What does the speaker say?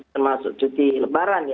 termasuk cuti lebaran ya